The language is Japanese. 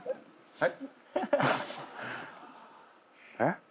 はい？